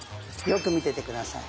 よく見てて下さい。